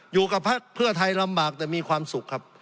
พักเพื่อไทยลำบากแต่มีความสุขครับ